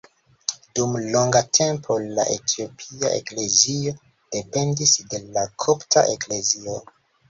Dum longa tempo la Etiopia Eklezio dependis de la Kopta Eklezio.